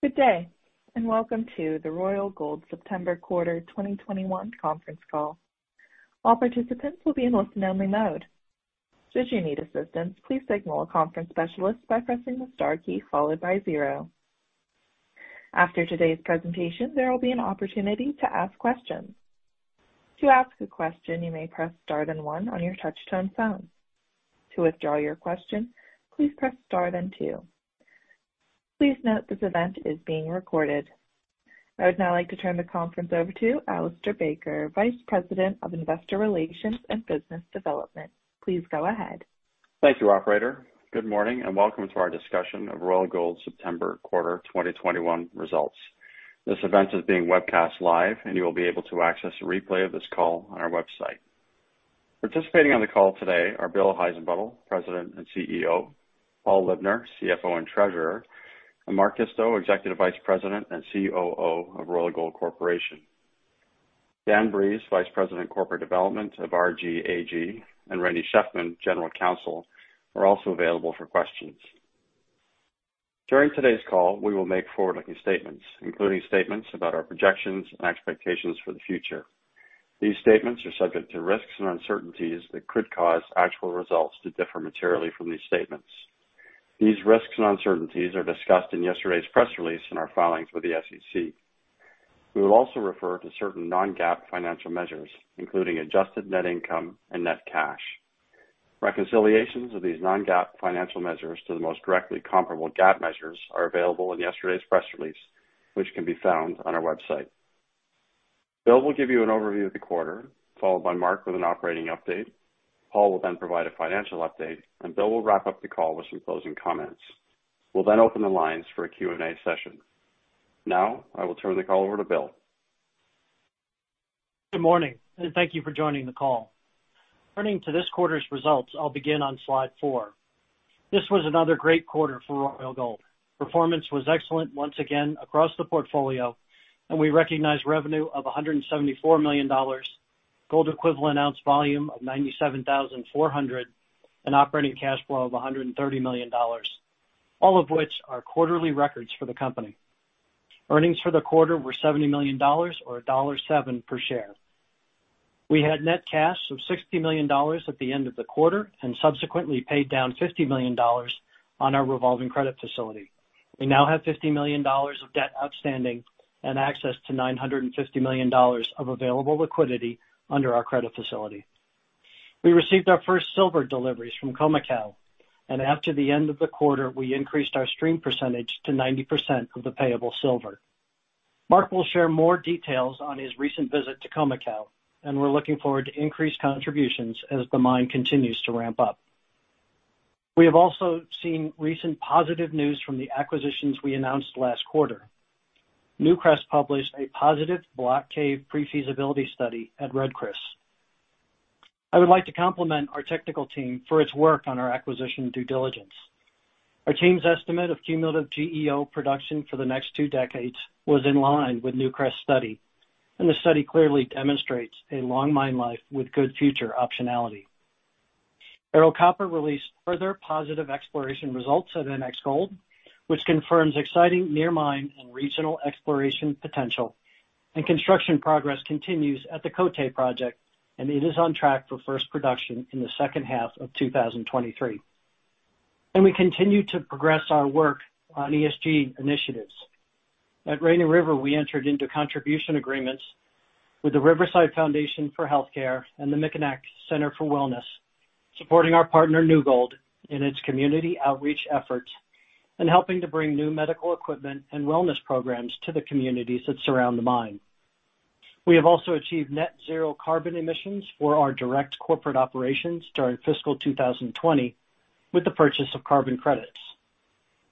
Good day, and welcome to the Royal Gold September Quarter 2021 conference call. All participants will be in listen-only mode. Should you need assistance, please signal a conference specialist by pressing the star key followed by zero. After today's presentation, there will be an opportunity to ask questions. To ask a question, you may press star then one on your touch-tone phone. To withdraw your question, please press star then two. Please note this event is being recorded. I would now like to turn the conference over to Alistair Baker, Vice President of Investor Relations and Business Development. Please go ahead. Thank you, Operator. Good morning and welcome to our discussion of Royal Gold September Quarter 2021 results. This event is being webcast live, and you will be able to access a replay of this call on our website. Participating on the call today are Bill Heissenbuttel, President and CEO; Paul Libner, CFO and Treasurer; and Mark Isto, Executive Vice President and COO of Royal Gold Corporation. Dan Breeze, Vice President Corporate Development of RGAG; and Randy Shefman, General Counsel, are also available for questions. During today's call, we will make forward-looking statements, including statements about our projections and expectations for the future. These statements are subject to risks and uncertainties that could cause actual results to differ materially from these statements. These risks and uncertainties are discussed in yesterday's press release and our filings with the SEC. We will also refer to certain non-GAAP financial measures, including adjusted net income and net cash. Reconciliations of these non-GAAP financial measures to the most directly comparable GAAP measures are available in yesterday's press release, which can be found on our website. Bill will give you an overview of the quarter, followed by Mark with an operating update. Paul will then provide a financial update, and Bill will wrap up the call with some closing comments. We'll then open the lines for a Q&A session. Now, I will turn the call over to Bill. Good morning, and thank you for joining the call. Turning to this quarter's results, I'll begin on slide four. This was another great quarter for Royal Gold. Performance was excellent once again across the portfolio, and we recognize revenue of $174 million, gold-equivalent ounce volume of $97,400, and operating cash flow of $130 million, all of which are quarterly records for the company. Earnings for the quarter were $70 million, or $1.07 per share. We had net cash of $60 million at the end of the quarter and subsequently paid down $50 million on our revolving credit facility. We now have $50 million of debt outstanding and access to $950 million of available liquidity under our credit facility. We received our first silver deliveries from Khoemacau, and after the end of the quarter, we increased our stream percentage to 90% of the payable silver. Mark will share more details on his recent visit to Khoemacau, and we're looking forward to increased contributions as the mine continues to ramp up. We have also seen recent positive news from the acquisitions we announced last quarter. Newcrest published a positive block cave pre-feasibility study at Red Chris. I would like to compliment our technical team for its work on our acquisition due diligence. Our team's estimate of cumulative GEO production for the next two decades was in line with Newcrest's study, and the study clearly demonstrates a long mine life with good future optionality. Ero Copper released further positive exploration results at NX Gold, which confirms exciting near-mine and regional exploration potential. And construction progress continues at the Côté project, and it is on track for first production in the second half of 2023. And we continue to progress our work on ESG initiatives. At Rainy River, we entered into contribution agreements with the Riverside Foundation for Health Care and the McKinne Center for Wellness, supporting our partner New Gold in its community outreach efforts and helping to bring new medical equipment and wellness programs to the communities that surround the mine. We have also achieved net-zero carbon emissions for our direct corporate operations during fiscal 2020 with the purchase of carbon credits,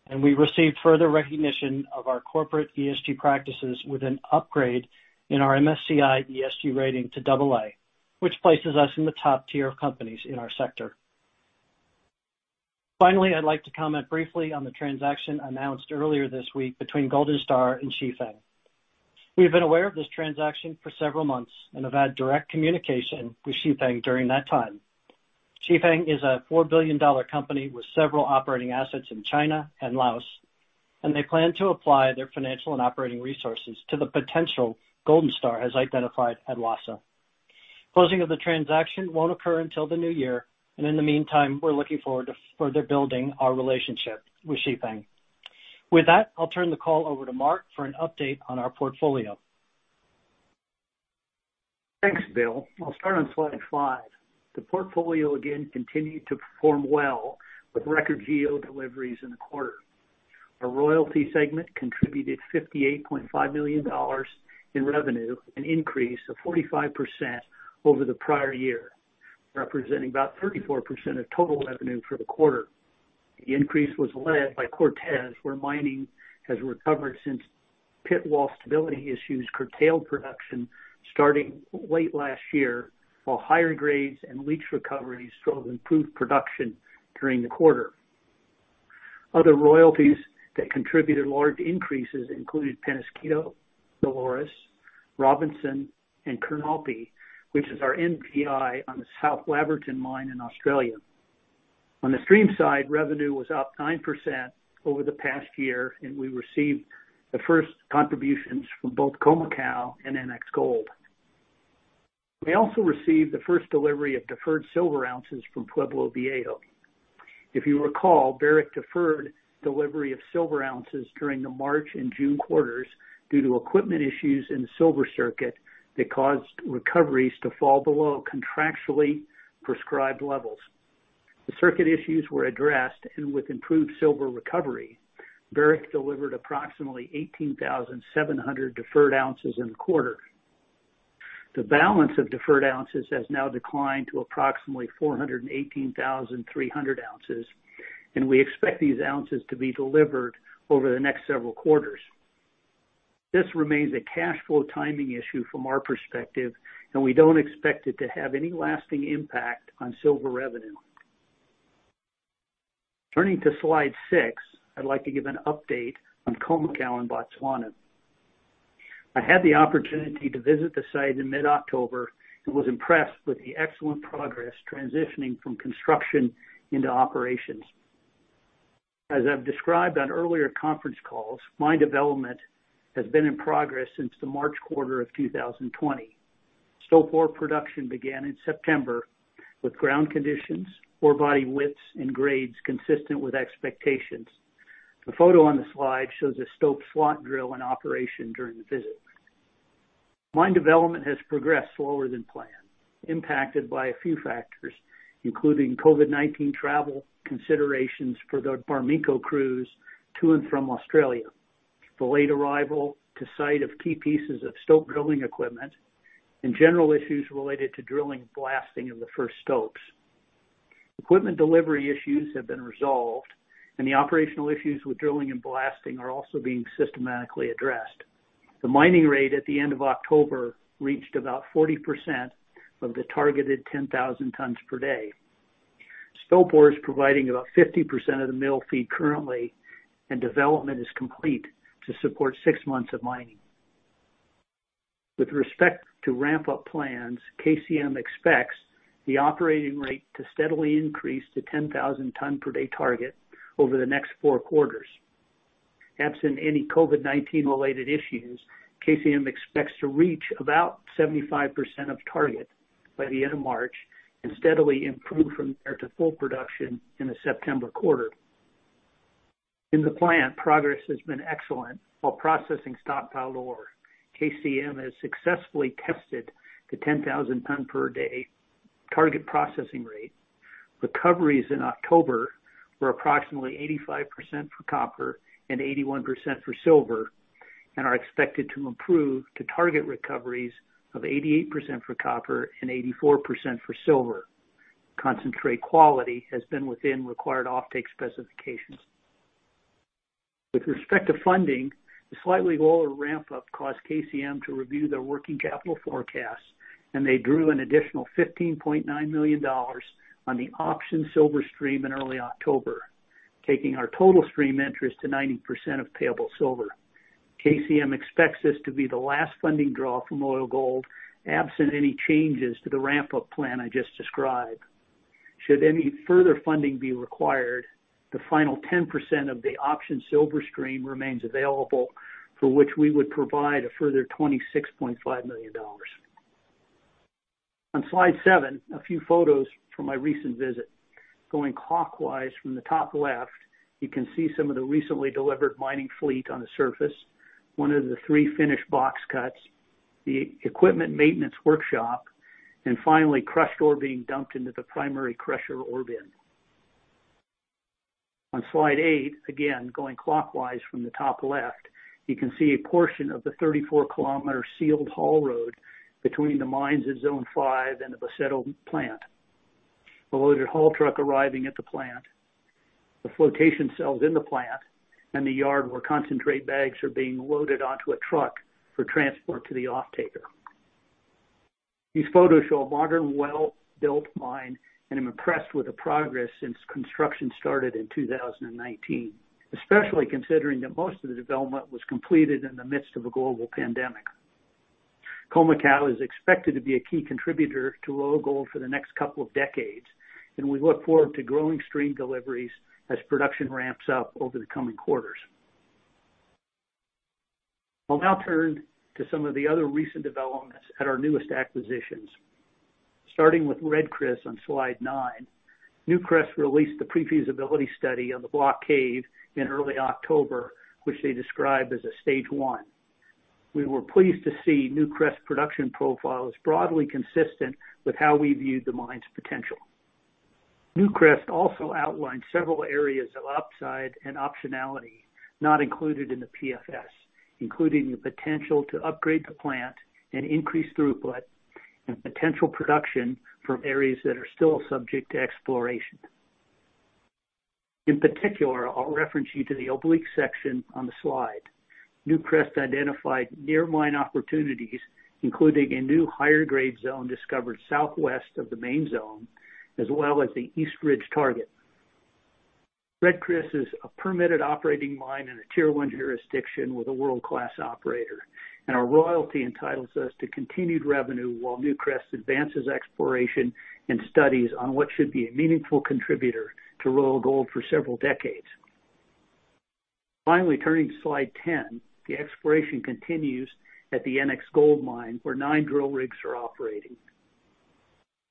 and we received further recognition of our corporate ESG practices with an upgrade in our MSCI ESG rating to AA, which places us in the top tier of companies in our sector. Finally, I'd like to comment briefly on the transaction announced earlier this week between Golden Star and Chifeng. We've been aware of this transaction for several months and have had direct communication with Chifeng during that time. Chifeng is a $4 billion company with several operating assets in China and Laos, and they plan to apply their financial and operating resources to the potential Golden Star has identified at Wassa. Closing of the transaction won't occur until the new year, and in the meantime, we're looking forward to further building our relationship with Chifeng. With that, I'll turn the call over to Mark for an update on our portfolio. Thanks, Bill. I'll start on slide five. The portfolio again continued to perform well with record GEO deliveries in the quarter. Our royalty segment contributed $58.5 million in revenue, an increase of 45% over the prior year, representing about 34% of total revenue for the quarter. The increase was led by Cortez, where mining has recovered since pit wall stability issues curtailed production starting late last year, while higher grades and leach recovery showed improved production during the quarter. Other royalties that contributed large increases included Peñasquito, Dolores, Robinson, and Kurnalpi, which is our NPI on the South Labyrinth mine in Australia. On the stream side, revenue was up 9% over the past year, and we received the first contributions from both Khoemacau and NX Gold. We also received the first delivery of deferred silver ounces from Pueblo Viejo. If you recall, Barrick deferred delivery of silver ounces during the March and June quarters due to equipment issues in the silver circuit that caused recoveries to fall below contractually prescribed levels. The circuit issues were addressed, and with improved silver recovery, Barrick delivered approximately 18,700 deferred ounces in the quarter. The balance of deferred ounces has now declined to approximately 418,300 ounces, and we expect these ounces to be delivered over the next several quarters. This remains a cash flow timing issue from our perspective, and we don't expect it to have any lasting impact on silver revenue. Turning to slide six, I'd like to give an update on Khoemacau and Botswana. I had the opportunity to visit the site in mid-October and was impressed with the excellent progress transitioning from construction into operations. As I've described on earlier conference calls, mine development has been in progress since the March quarter of 2020. Stope ore production began in September with ground conditions, ore body widths and grades consistent with expectations. The photo on the slide shows a stope slot drill in operation during the visit. Mine development has progressed slower than planned, impacted by a few factors, including COVID-19 travel considerations for the Barminco crews to and from Australia, the late arrival to site of key pieces of stope drilling equipment, and general issues related to drilling and blasting of the first stopes. Equipment delivery issues have been resolved, and the operational issues with drilling and blasting are also being systematically addressed. The mining rate at the end of October reached about 40% of the targeted 10,000 tons per day. Stope ore is providing about 50% of the mill feed currently, and development is complete to support six months of mining. With respect to ramp-up plans, KCM expects the operating rate to steadily increase to 10,000 tons per day target over the next four quarters. Absent any COVID-19-related issues, KCM expects to reach about 75% of target by the end of March and steadily improve from there to full production in the September quarter. In the plant, progress has been excellent while processing stockpile ore. KCM has successfully tested the 10,000 tons per day target processing rate. Recoveries in October were approximately 85% for copper and 81% for silver, and are expected to improve to target recoveries of 88% for copper and 84% for silver. Concentrate quality has been within required offtake specifications. With respect to funding, the slightly lower ramp-up caused KCM to review their working capital forecasts, and they drew an additional $15.9 million on the option silver stream in early October, taking our total stream interest to 90% of payable silver. KCM expects this to be the last funding draw from Royal Gold, absent any changes to the ramp-up plan I just described. Should any further funding be required, the final 10% of the option silver stream remains available, for which we would provide a further $26.5 million. On slide seven, a few photos from my recent visit. Going clockwise from the top left, you can see some of the recently delivered mining fleet on the surface, one of the three finished box cuts, the equipment maintenance workshop, and finally, crushed ore being dumped into the primary crusher ore bin. On slide eight, again, going clockwise from the top left, you can see a portion of the 34 km sealed haul road between the mines at Zone 5 and the Boseto plant, a loaded haul truck arriving at the plant, the flotation cells in the plant, and the yard where concentrate bags are being loaded onto a truck for transport to the offtaker. These photos show a modern, well-built mine, and I'm impressed with the progress since construction started in 2019, especially considering that most of the development was completed in the midst of a global pandemic. Khoemacau is expected to be a key contributor to Royal Gold for the next couple of decades, and we look forward to growing stream deliveries as production ramps up over the coming quarters. I'll now turn to some of the other recent developments at our newest acquisitions. Starting with Red Chris on slide nine, Newcrest released the pre-feasibility study of the block cave in early October, which they described as a stage one. We were pleased to see Newcrest's production profile is broadly consistent with how we viewed the mine's potential. Newcrest also outlined several areas of upside and optionality not included in the PFS, including the potential to upgrade the plant and increase throughput and potential production from areas that are still subject to exploration. In particular, I'll refer you to the oblique section on the slide. Newcrest identified near-mine opportunities, including a new higher-grade zone discovered southwest of the main zone, as well as the East Ridge target. Chris is a permitted operating mine in a Tier I jurisdiction with a world-class operator, and our royalty entitles us to continued revenue while Newcrest advances exploration and studies on what should be a meaningful contributor to Royal Gold for several decades. Finally, turning to slide 10, the exploration continues at the NX Gold mine where nine drill rigs are operating.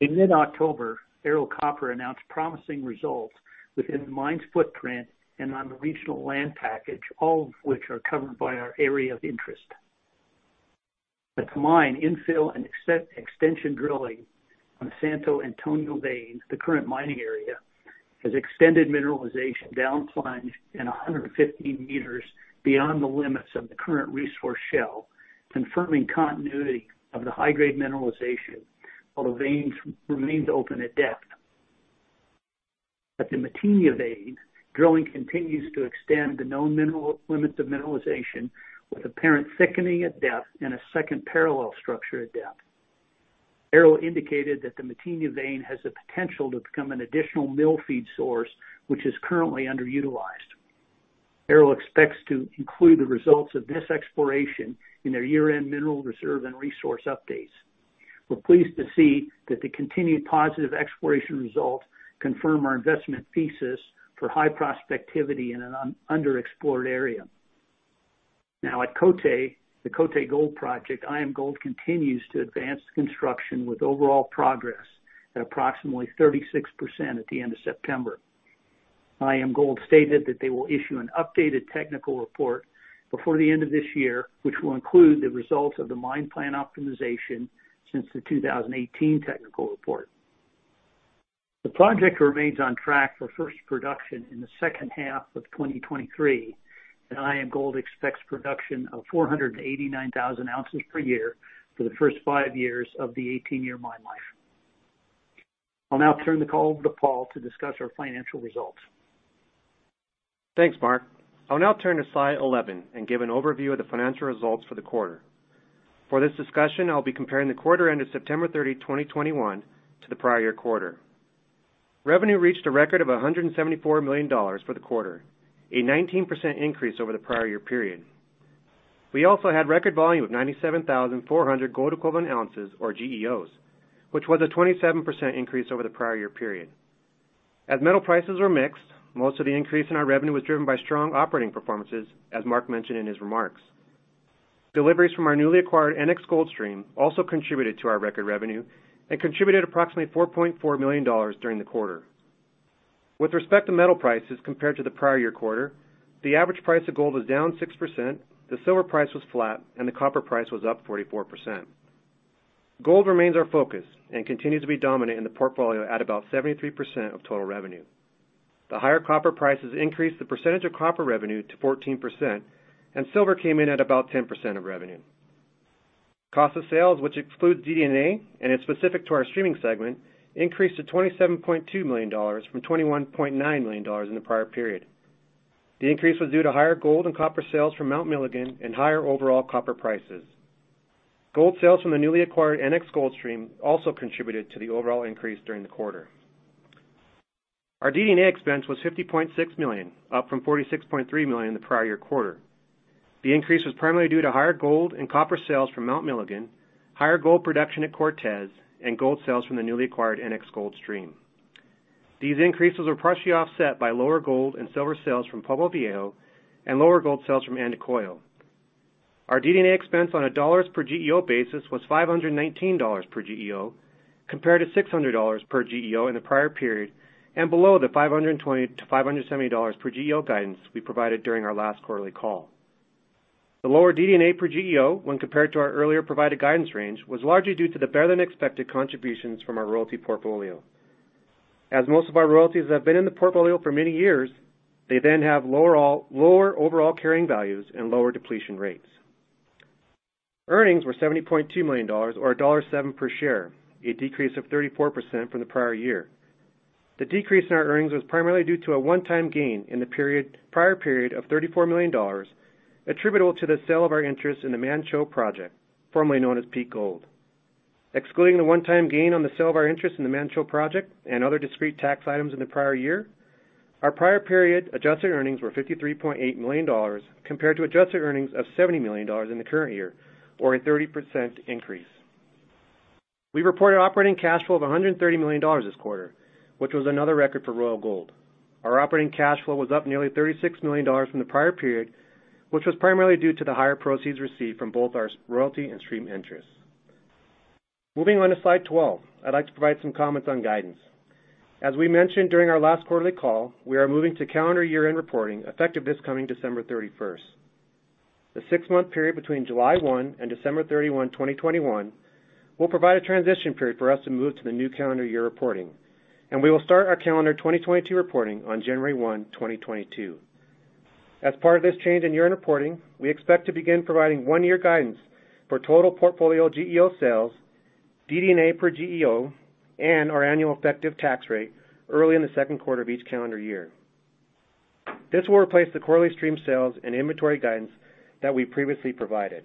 In mid-October, Ero Copper announced promising results within the mine's footprint and on the regional land package, all of which are covered by our area of interest. At the mine, infill and extension drilling on the Santo Antonio vein, the current mining area, has extended mineralization down dip and 115 meters beyond the limits of the current resource shell, confirming continuity of the high-grade mineralization while the vein remains open at depth. At the Matinha vein, drilling continues to extend the known mineral limits of mineralization with apparent thickening at depth and a second parallel structure at depth. Ero Copper indicated that the Matinha vein has the potential to become an additional mill feed source, which is currently underutilized. Ero Copper expects to include the results of this exploration in their year-end mineral reserve and resource updates. We're pleased to see that the continued positive exploration results confirm our investment thesis for high prospectivity in an underexplored area. Now, at Côté, the Côté Gold Project, IAMGOLD continues to advance construction with overall progress at approximately 36% at the end of September. IAMGOLD stated that they will issue an updated technical report before the end of this year, which will include the results of the mine plan optimization since the 2018 technical report. The project remains on track for first production in the second half of 2023, and IAMGOLD expects production of 489,000 ounces per year for the first five years of the 18-year mine life. I'll now turn the call over to Paul to discuss our financial results. Thanks, Mark. I'll now turn to slide 11 and give an overview of the financial results for the quarter. For this discussion, I'll be comparing the quarter end of September 30, 2021, to the prior year quarter. Revenue reached a record of $174 million for the quarter, a 19% increase over the prior year period. We also had record volume of 97,400 gold equivalent ounces, or GEOs, which was a 27% increase over the prior year period. As metal prices were mixed, most of the increase in our revenue was driven by strong operating performances, as Mark mentioned in his remarks. Deliveries from our newly acquired NX Gold Stream also contributed to our record revenue and contributed approximately $4.4 million during the quarter. With respect to metal prices compared to the prior year quarter, the average price of gold was down 6%, the silver price was flat, and the copper price was up 44%. Gold remains our focus and continues to be dominant in the portfolio at about 73% of total revenue. The higher copper prices increased the percentage of copper revenue to 14%, and silver came in at about 10% of revenue. Cost of sales, which excludes DDNA and is specific to our streaming segment, increased to $27.2 million from $21.9 million in the prior period. The increase was due to higher gold and copper sales from Mount Milligan and higher overall copper prices. Gold sales from the newly acquired NX Gold Stream also contributed to the overall increase during the quarter. Our DDNA expense was $50.6 million, up from $46.3 million in the prior year quarter. The increase was primarily due to higher gold and copper sales from Mount Milligan, higher gold production at Cortez, and gold sales from the newly acquired NX Gold Stream. These increases were partially offset by lower gold and silver sales from Pueblo Viejo and lower gold sales from Andacollo. Our DD&A expense on a dollars-per-GEO basis was $519 per GEO, compared to $600 per GEO in the prior period and below the $520-$570 per GEO guidance we provided during our last quarterly call. The lower DD&A per GEO, when compared to our earlier provided guidance range, was largely due to the better-than-expected contributions from our royalty portfolio. As most of our royalties have been in the portfolio for many years, they then have lower overall carrying values and lower depletion rates. Earnings were $70.2 million, or $1.07 per share, a decrease of 34% from the prior year. The decrease in our earnings was primarily due to a one-time gain in the prior period of $34 million attributable to the sale of our interests in the Manh Choh Project, formerly known as Peak Gold. Excluding the one-time gain on the sale of our interests in the Manh Choh Project and other discrete tax items in the prior year, our prior period adjusted earnings were $53.8 million compared to adjusted earnings of $70 million in the current year, or a 30% increase. We reported operating cash flow of $130 million this quarter, which was another record for Royal Gold. Our operating cash flow was up nearly $36 million from the prior period, which was primarily due to the higher proceeds received from both our royalty and stream interests. Moving on to slide 12, I'd like to provide some comments on guidance. As we mentioned during our last quarterly call, we are moving to calendar year-end reporting effective this coming December 31st. The six-month period between July 1 and December 31, 2021, will provide a transition period for us to move to the new calendar year reporting, and we will start our calendar 2022 reporting on January 1, 2022. As part of this change in year-end reporting, we expect to begin providing one-year guidance for total portfolio GEO sales, DD&A per GEO, and our annual effective tax rate early in the second quarter of each calendar year. This will replace the quarterly stream sales and inventory guidance that we previously provided.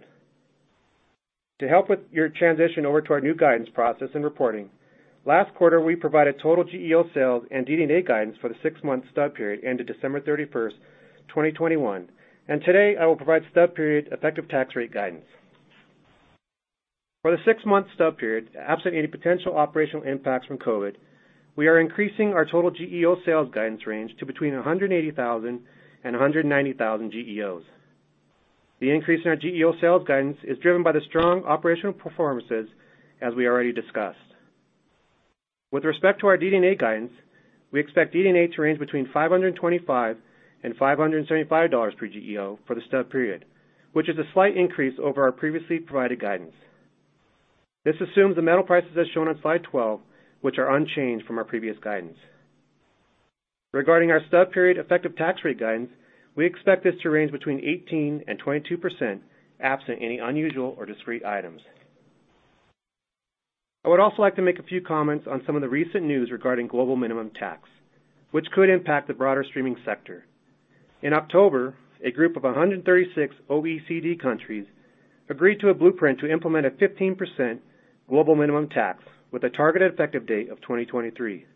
To help with your transition over to our new guidance process and reporting, last quarter we provided total GEO sales and DDNA guidance for the six-month stub period ended December 31st, 2021, and today I will provide stub period effective tax rate guidance. For the six-month stub period, absent any potential operational impacts from COVID, we are increasing our total GEO sales guidance range to between 180,000 and 190,000 GEOs. The increase in our GEO sales guidance is driven by the strong operational performances, as we already discussed. With respect to our DDNA guidance, we expect DDNA to range between $525 and $575 per GEO for the stub period, which is a slight increase over our previously provided guidance. This assumes the metal prices as shown on slide 12, which are unchanged from our previous guidance. Regarding our stub period effective tax rate guidance, we expect this to range between 18% and 22% absent any unusual or discrete items. I would also like to make a few comments on some of the recent news regarding global minimum tax, which could impact the broader streaming sector. In October, a group of 136 OECD countries agreed to a blueprint to implement a 15% global minimum tax with a targeted effective date of 2023.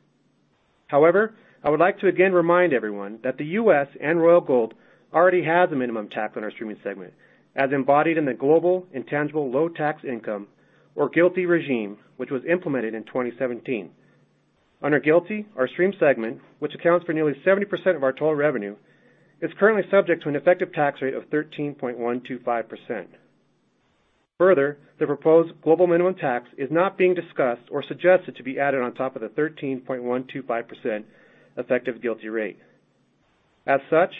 However, I would like to again remind everyone that the U.S. and Royal Gold already have a minimum tax on our streaming segment, as embodied in the global intangible low-tax income or GILTI regime, which was implemented in 2017. Under GILTI, our stream segment, which accounts for nearly 70% of our total revenue, is currently subject to an effective tax rate of 13.125%. Further, the proposed global minimum tax is not being discussed or suggested to be added on top of the 13.125% effective GILTI rate. As such,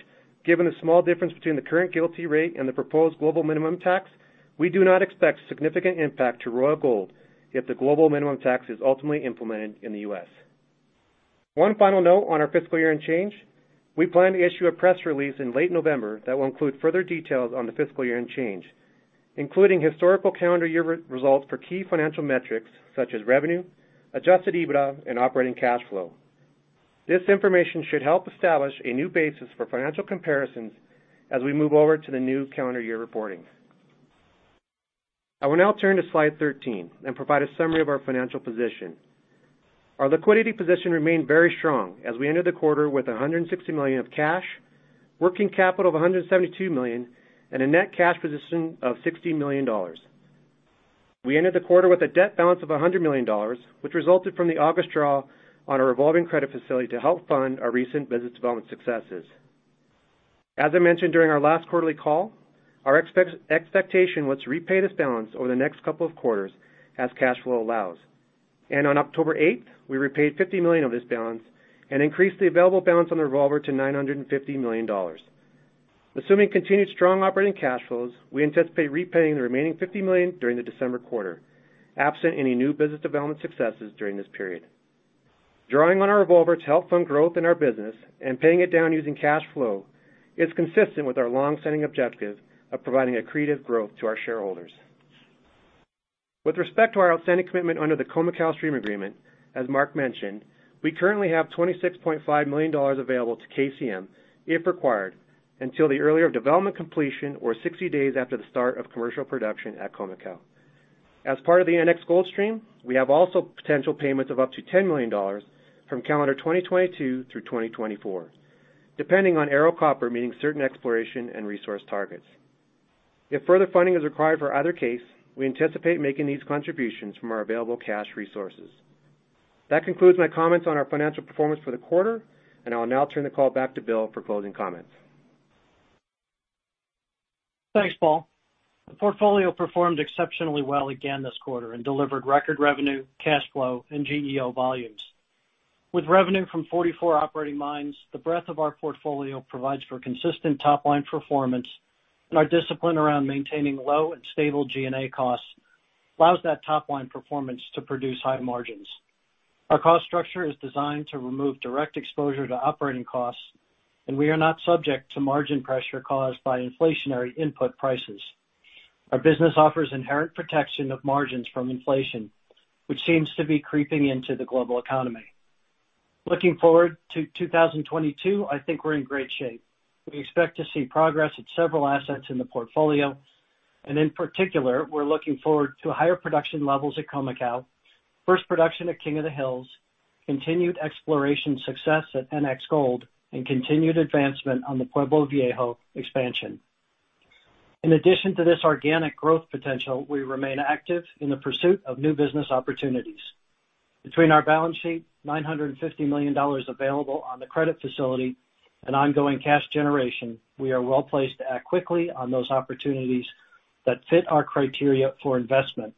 given the small difference between the current GILTI rate and the proposed global minimum tax, we do not expect significant impact to Royal Gold if the global minimum tax is ultimately implemented in the U.S. One final note on our fiscal year-end change, we plan to issue a press release in late November that will include further details on the fiscal year-end change, including historical calendar year results for key financial metrics such as revenue, adjusted EBITDA, and operating cash flow. This information should help establish a new basis for financial comparisons as we move over to the new calendar year reporting. I will now turn to slide 13 and provide a summary of our financial position. Our liquidity position remained very strong as we entered the quarter with $160 million of cash, working capital of $172 million, and a net cash position of $60 million. We entered the quarter with a debt balance of $100 million, which resulted from the August draw on our revolving credit facility to help fund our recent business development successes. As I mentioned during our last quarterly call, our expectation was to repay this balance over the next couple of quarters as cash flow allows, and on October 8th, we repaid $50 million of this balance and increased the available balance on the revolver to $950 million. Assuming continued strong operating cash flows, we anticipate repaying the remaining $50 million during the December quarter, absent any new business development successes during this period. Drawing on our revolver to help fund growth in our business and paying it down using cash flow, it's consistent with our long-standing objective of providing accretive growth to our shareholders. With respect to our outstanding commitment under the Khoemacau stream agreement, as Mark mentioned, we currently have $26.5 million available to KCM if required until the earlier development completion or 60 days after the start of commercial production at Khoemacau. As part of the NX Gold Stream, we have also potential payments of up to $10 million from calendar 2022 through 2024, depending on Ero Copper meeting certain exploration and resource targets. If further funding is required for either case, we anticipate making these contributions from our available cash resources. That concludes my comments on our financial performance for the quarter, and I'll now turn the call back to Bill for closing comments. Thanks, Paul. The portfolio performed exceptionally well again this quarter and delivered record revenue, cash flow, and GEO volumes. With revenue from 44 operating mines, the breadth of our portfolio provides for consistent top-line performance, and our discipline around maintaining low and stable G&A costs allows that top-line performance to produce high margins. Our cost structure is designed to remove direct exposure to operating costs, and we are not subject to margin pressure caused by inflationary input prices. Our business offers inherent protection of margins from inflation, which seems to be creeping into the global economy. Looking forward to 2022, I think we're in great shape. We expect to see progress at several assets in the portfolio, and in particular, we're looking forward to higher production levels at Khoemacau, first production at King of the Hills, continued exploration success at NX Gold, and continued advancement on the Pueblo Viejo expansion. In addition to this organic growth potential, we remain active in the pursuit of new business opportunities. Between our balance sheet, $950 million available on the credit facility, and ongoing cash generation, we are well placed to act quickly on those opportunities that fit our criteria for investment,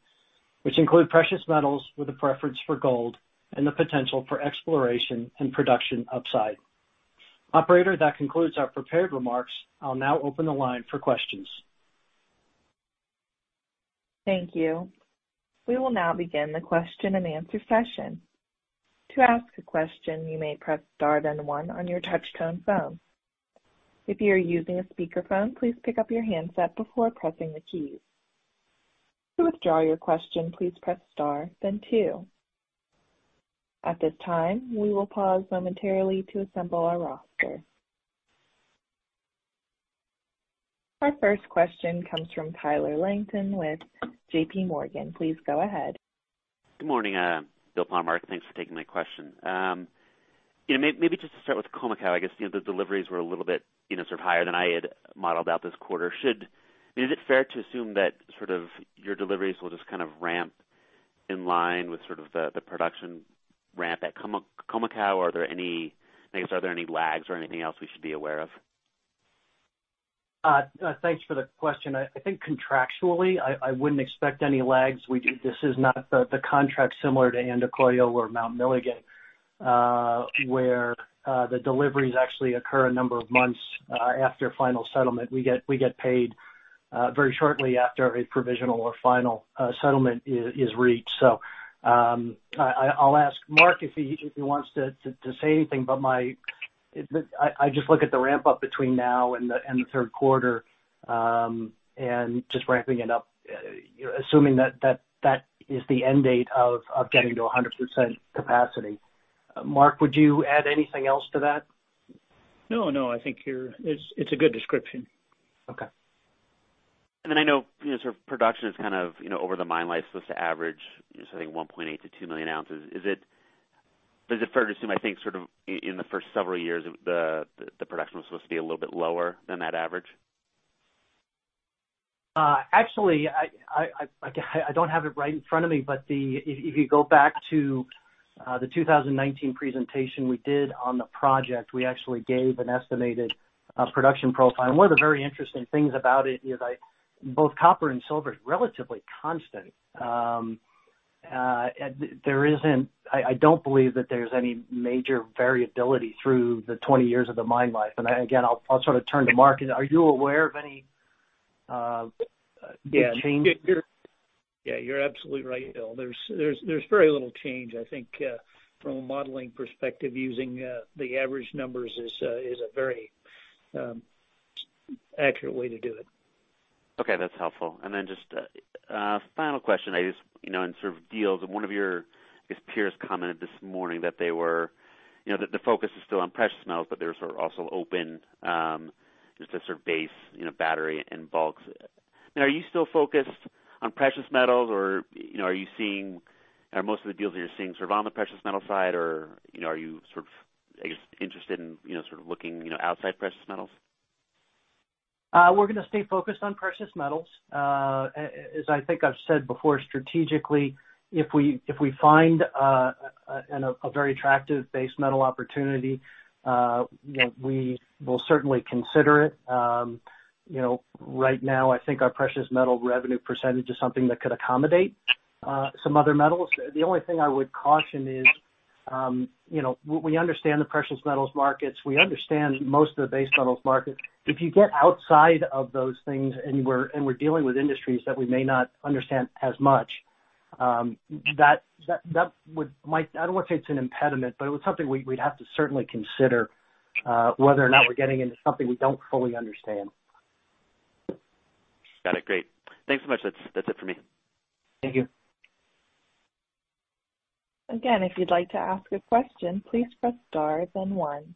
which include precious metals with a preference for gold and the potential for exploration and production upside. Operator, that concludes our prepared remarks. I'll now open the line for questions. Thank you. We will now begin the question and answer session. To ask a question, you may press star then one on your touch-tone phone. If you are using a speakerphone, please pick up your handset before pressing the keys. To withdraw your question, please press star, then two. At this time, we will pause momentarily to assemble our roster. Our first question comes from Tyler Langton with J.P. Morgan. Please go ahead. Good morning, Bill, Paul, and Mark. Thanks for taking my question. Maybe just to start with Khoemacau, I guess the deliveries were a little bit sort of higher than I had modeled out this quarter. Is it fair to assume that sort of your deliveries will just kind of ramp in line with sort of the production ramp at Khoemacau, or are there any lags or anything else we should be aware of? Thanks for the question. I think contractually, I wouldn't expect any lags. This is not the contract similar to Andacollo or Mount Milligan, where the deliveries actually occur a number of months after final settlement. We get paid very shortly after a provisional or final settlement is reached. So I'll ask Mark if he wants to say anything, but I just look at the ramp-up between now and the third quarter and just ramping it up, assuming that that is the end date of getting to 100% capacity. Mark, would you add anything else to that? No, no. I think it's a good description. Okay. And then I know sort of production is kind of over the mine life, supposed to average, I think, 1.8-2 million ounces. Is it fair to assume, I think, sort of in the first several years, the production was supposed to be a little bit lower than that average? Actually, I don't have it right in front of me, but if you go back to the 2019 presentation we did on the project, we actually gave an estimated production profile, and one of the very interesting things about it is both copper and silver is relatively constant. I don't believe that there's any major variability through the 20 years of the mine life, and again, I'll sort of turn to Mark. Are you aware of any change? Yeah, you're absolutely right, Bill. There's very little change. I think from a modeling perspective, using the average numbers is a very accurate way to do it. Okay, that's helpful, and then just a final question, I guess, in sort of deals. One of your peers commented this morning that the focus is still on precious metals, but there's also open just a sort of base battery and bulks. Are you still focused on precious metals, or are you seeing most of the deals that you're seeing sort of on the precious metal side, or are you sort of, I guess, interested in sort of looking outside precious metals? We're going to stay focused on precious metals. As I think I've said before, strategically, if we find a very attractive base metal opportunity, we will certainly consider it. Right now, I think our precious metal revenue percentage is something that could accommodate some other metals. The only thing I would caution is we understand the precious metals markets. We understand most of the base metals markets. If you get outside of those things and we're dealing with industries that we may not understand as much, that would, I don't want to say it's an impediment, but it was something we'd have to certainly consider whether or not we're getting into something we don't fully understand. Got it. Great. Thanks so much. That's it for me. Thank you. Again, if you'd like to ask a question, please press star then one.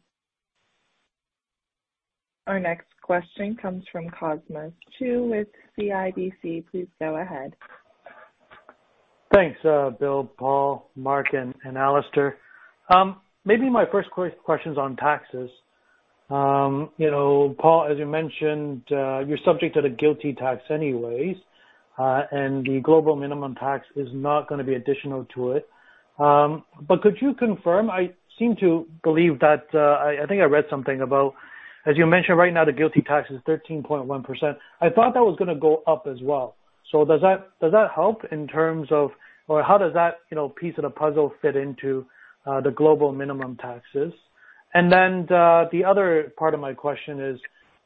Our next question comes from Cosmos 2 with CIBC. Please go ahead. Thanks, Bill, Paul, Mark, and Alistair. Maybe my first question is on taxes. Paul, as you mentioned, you're subject to the GILTI tax anyways, and the global minimum tax is not going to be additional to it. But could you confirm? I seem to believe that I think I read something about, as you mentioned, right now, the GILTI tax is 13.1%. I thought that was going to go up as well. So does that help in terms of or how does that piece of the puzzle fit into the global minimum taxes? And then the other part of my question is,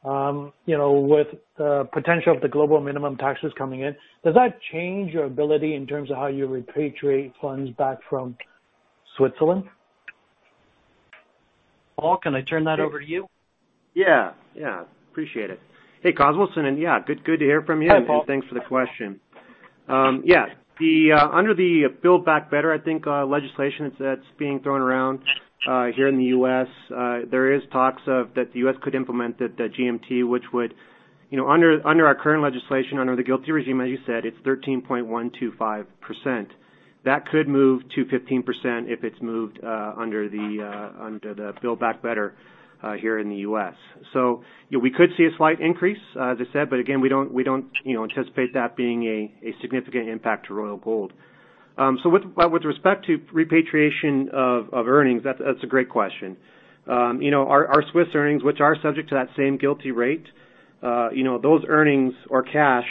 with the potential of the global minimum taxes coming in, does that change your ability in terms of how you repatriate funds back from Switzerland? Paul, can I turn that over to you? Yeah, yeah. Appreciate it. Hey, Cosmos Two, and yeah, good to hear from you. Hi, Paul. Thanks for the question. Yeah, under the Build Back Better, I think, legislation that's being thrown around here in the U.S., there are talks that the U.S. could implement the GMT, which would, under our current legislation, under the GILTI regime, as you said, it's 13.125%. That could move to 15% if it's moved under the Build Back Better here in the U.S. So we could see a slight increase, as I said, but again, we don't anticipate that being a significant impact to Royal Gold. So with respect to repatriation of earnings, that's a great question. Our Swiss earnings, which are subject to that same GILTI rate, those earnings or cash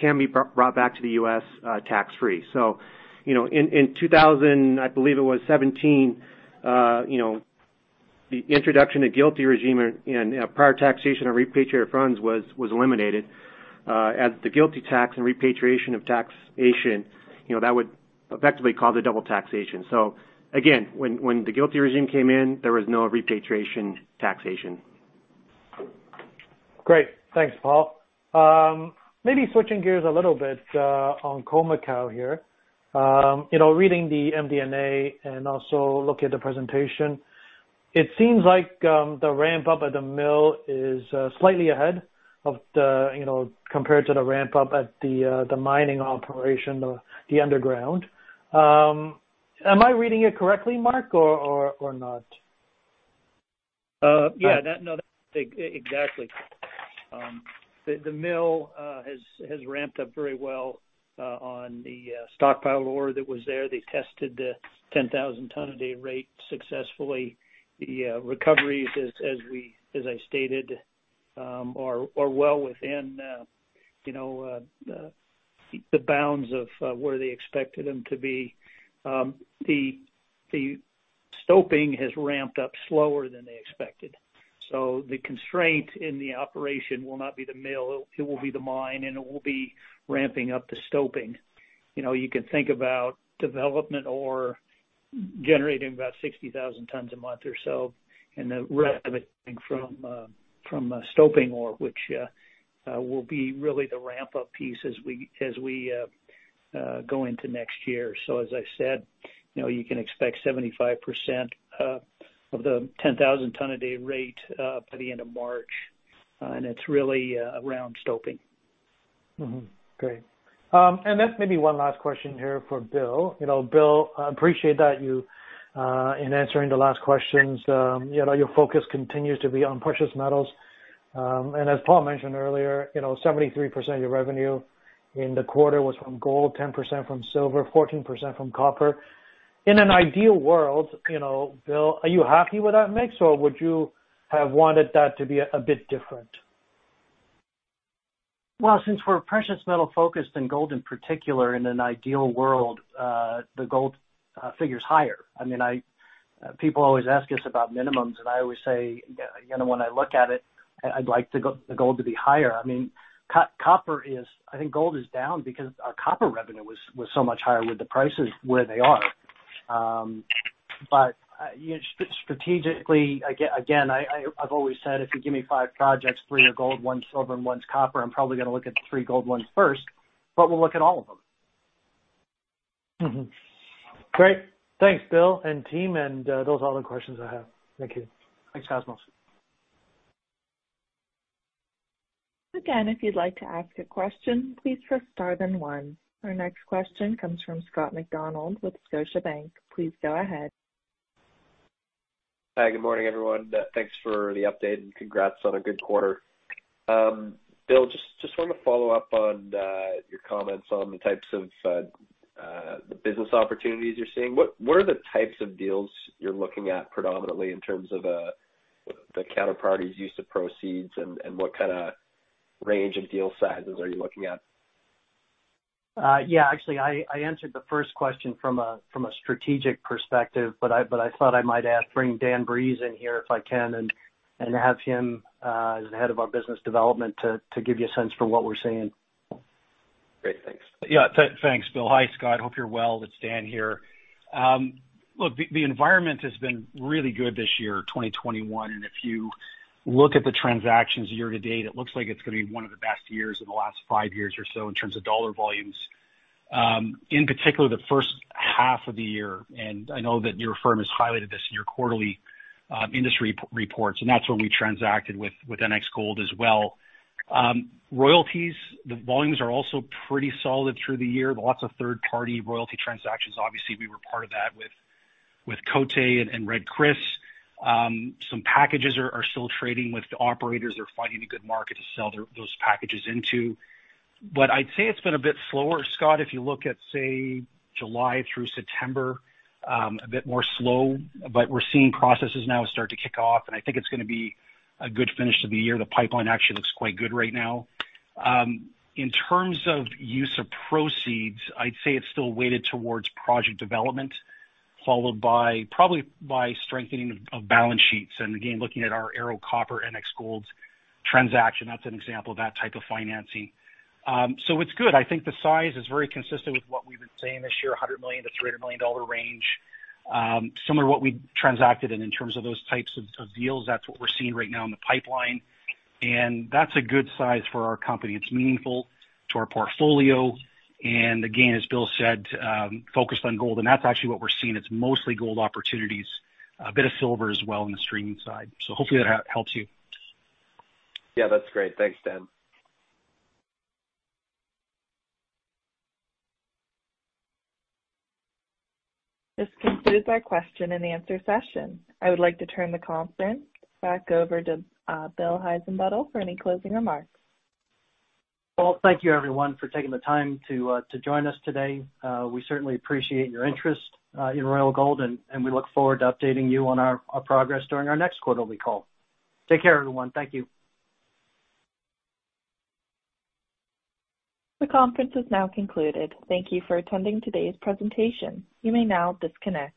can be brought back to the U.S. tax-free. So in 2017, I believe it was 2017, the introduction of GILTI regime and prior taxation of repatriated funds was eliminated. As the GILTI tax and repatriation of taxation, that would effectively cause a double taxation. So again, when the GILTI regime came in, there was no repatriation taxation. Great. Thanks, Paul. Maybe switching gears a little bit on Khoemacau here. Reading the MD&A and also looking at the presentation, it seems like the ramp-up at the mill is slightly ahead compared to the ramp-up at the mining operation, the underground. Am I reading it correctly, Mark, or not? Yeah, no, that's exactly. The mill has ramped up very well on the stockpile ore that was there. They tested the 10,000-ton-a-day rate successfully. The recoveries, as I stated, are well within the bounds of where they expected them to be. The stoping has ramped up slower than they expected, so the constraint in the operation will not be the mill. It will be the mine, and it will be ramping up the stoping. You can think about development ore generating about 60,000 tons a month or so and the run-of-mine from stoping ore, which will be really the ramp-up piece as we go into next year, so as I said, you can expect 75% of the 10,000-ton-a-day rate by the end of March, and it's really around stoping. Great. And maybe one last question here for Bill. Bill, I appreciate that you in answering the last questions, your focus continues to be on precious metals. And as Paul mentioned earlier, 73% of your revenue in the quarter was from gold, 10% from silver, 14% from copper. In an ideal world, Bill, are you happy with that mix, or would you have wanted that to be a bit different? Since we're precious metal-focused and gold in particular, in an ideal world, the gold figure's higher. I mean, people always ask us about minimums, and I always say, when I look at it, I'd like the gold to be higher. I mean, I think gold is down because our copper revenue was so much higher with the prices where they are. But strategically, again, I've always said, if you give me five projects, three are gold, one's silver, and one's copper, I'm probably going to look at the three gold ones first, but we'll look at all of them. Great. Thanks, Bill and team, and those are all the questions I have. Thank you. Thanks, Cosmos. , if you'd like to ask a question, please press star then one. Our next question comes from Scott McDonald with Scotiabank. Please go ahead. Hi, good morning, everyone. Thanks for the update and congrats on a good quarter. Bill, just want to follow up on your comments on the types of business opportunities you're seeing. What are the types of deals you're looking at predominantly in terms of the counterparties' use of proceeds, and what kind of range of deal sizes are you looking at? Yeah, actually, I answered the first question from a strategic perspective, but I thought I might bring Dan Breeze in here if I can and have him as the head of our business development to give you a sense for what we're seeing. Great. Thanks. Yeah, thanks, Bill. Hi, Scott. Hope you're well. It's Dan here. Look, the environment has been really good this year, 2021. And if you look at the transactions year to date, it looks like it's going to be one of the best years in the last five years or so in terms of dollar volumes, in particular the first half of the year. And I know that your firm has highlighted this in your quarterly industry reports, and that's when we transacted with NX Gold as well. Royalties, the volumes are also pretty solid through the year. Lots of third-party royalty transactions. Obviously, we were part of that with Côté and Red Chris. Some packages are still trading with operators that are finding a good market to sell those packages into. But I'd say it's been a bit slower, Scott, if you look at, say, July through September, a bit more slow. But we're seeing projects now start to kick off, and I think it's going to be a good finish to the year. The pipeline actually looks quite good right now. In terms of use of proceeds, I'd say it's still weighted towards project development, followed by probably by strengthening of balance sheets. And again, looking at our Arrow Copper NX Gold transaction, that's an example of that type of financing. So it's good. I think the size is very consistent with what we've been saying this year, $100 million-$300 million range, similar to what we transacted in terms of those types of deals. That's what we're seeing right now in the pipeline. And that's a good size for our company. It's meaningful to our portfolio. And again, as Bill said, focused on gold. And that's actually what we're seeing. It's mostly gold opportunities, a bit of silver as well on the streaming side. So hopefully that helps you. Yeah, that's great. Thanks, Dan. This concludes our question and answer session. I would like to turn the conference back over to Bill Heissenbuttel for any closing remarks. Well, thank you, everyone, for taking the time to join us today. We certainly appreciate your interest in Royal Gold, and we look forward to updating you on our progress during our next quarterly call. Take care, everyone. Thank you. The conference is now concluded. Thank you for attending today's presentation. You may now disconnect.